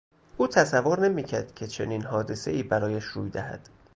او تصور نمیکرد که چنین حادثهای برایش روی دهد.